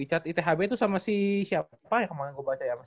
richard ithb tuh sama si siapa ya kemaren gua baca ya